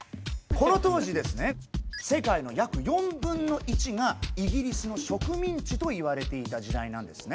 この当時世界の約４分の１がイギリスの植民地といわれていた時代なんですね。